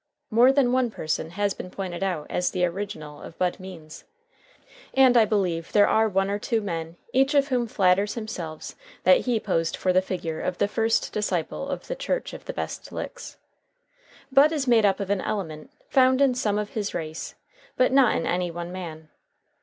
More than one person has been pointed out as the original of Bud Means, and I believe there are one or two men each of whom flatters himself that he posed for the figure of the first disciple of the Church of the Best Licks. Bud is made up of elements found in some of his race, but not in any one man.